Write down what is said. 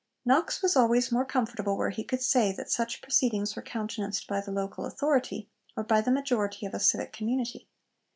Knox was always more comfortable where he could say that such proceedings were countenanced by the local authority, or by the majority of a civic community.